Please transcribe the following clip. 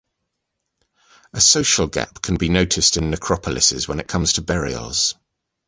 A social gap can be noticed in necropolises when it comes to burials.